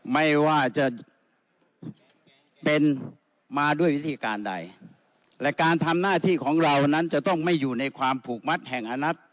ไม่ว่าจะเป็นมาด้วยวิธีการใดและการทำหน้าที่ของเรานั้นจะต้องไม่อยู่ในความผูกมัดแห่งอนัด